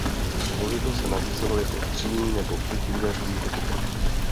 Vozidlo se nabízelo jako tří nebo pětidveřový hatchback.